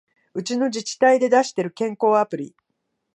うちの自治体で出してる健康アプリ